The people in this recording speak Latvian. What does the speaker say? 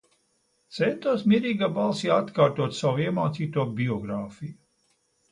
Centos mierīgā balsī atkārtot savu iemācīto biogrāfiju.